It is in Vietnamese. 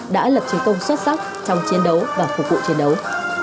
đã lập chiến công xuất sắc trong chiến đấu và phục vụ chiến đấu